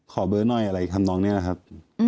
ขอเบอร์หน่อยอะไรทำนองนี้นะครับ